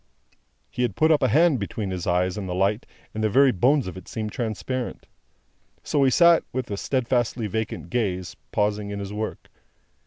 He had put up a hand between his eyes and the light, and the very bones of it seemed transparent. So he sat, with a steadfastly vacant gaze, pausing in his work.